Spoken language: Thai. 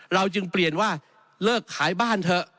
เราจึงเปลี่ยนว่าเลิกขายบ้านเถอะ